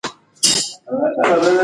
که فقر زیات وي نو ستونزې ډېریږي.